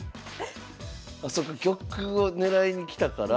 そっか玉を狙いに来たから。